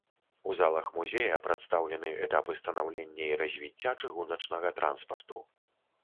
У залах музея прадстаўлены этапы станаўлення і развіцця чыгуначнага транспарту.